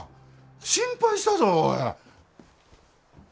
心配したぞおい。